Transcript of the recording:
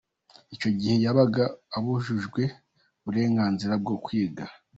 Icyo gihe yabaga abujijwe uburenganzira bwo kwiga.